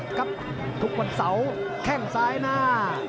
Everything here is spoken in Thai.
ครับทุกวันเสาร์แข้งซ้ายหน้า